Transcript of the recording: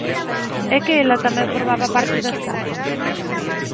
É que ela tamén formaba parte da estafa?